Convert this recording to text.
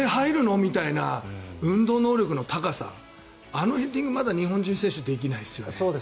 みたいな運動能力の高さあのヘディング、まだ日本人選手できないですよね。